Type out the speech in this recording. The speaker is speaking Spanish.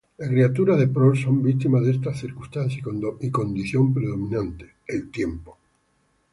Las criaturas de Proust son víctimas de esta circunstancia y condición predominante: el tiempo.